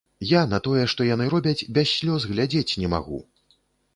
Я на тое, што яны робяць, без слёз глядзець не магу.